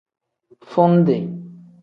Fundi.